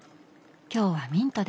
今日はミントで。